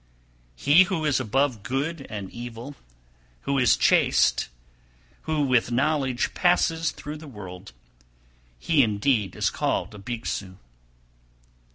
267. He who is above good and evil, who is chaste, who with knowledge passes through the world, he indeed is called a Bhikshu.